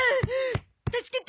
助けて！